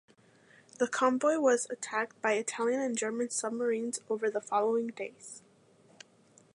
The convoy was attacked by Italian and German submarines over the following days.